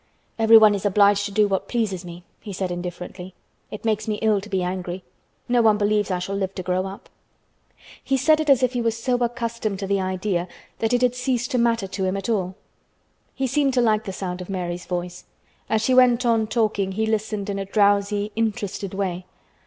"Everyone is obliged to do what pleases me," he said indifferently. "It makes me ill to be angry. No one believes I shall live to grow up." He said it as if he was so accustomed to the idea that it had ceased to matter to him at all. He seemed to like the sound of Mary's voice. As she went on talking he listened in a drowsy, interested way.